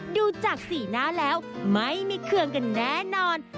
ดูจากสีหน้าแล้วไม่มีเครื่องกันแน่นอน